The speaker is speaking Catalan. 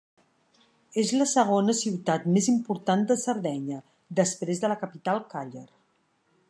És la segona ciutat més important de Sardenya, després de la capital Càller.